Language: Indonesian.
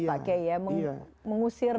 pakai ya mengusir